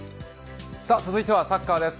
続いてはサッカーです。